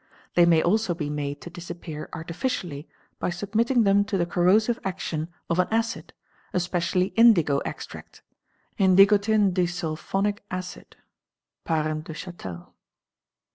They may also be made to disappear artificially by submitting them to the corrosive action of an acid, especially indigo extract (indigotin disulphonic acid), (Parent Deuchatel).